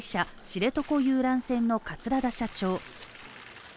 知床遊覧船の桂田社長。